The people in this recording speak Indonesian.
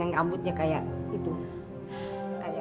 yang bikin ayah ya